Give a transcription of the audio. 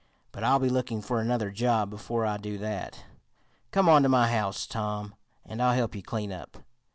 But I'll be looking for another job before I do that. Come on to my house, Tom, and I'll help you clean up."